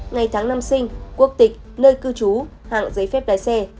ngày tháng năm sinh quốc tịch nơi cư trú hạng giấy phép lái xe